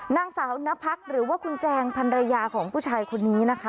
นางสาวนพักหรือว่าคุณแจงพันรยาของผู้ชายคนนี้นะคะ